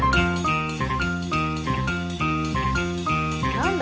何だ？